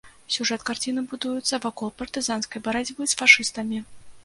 Сюжэт карціны будуецца вакол партызанскай барацьбы з фашыстамі.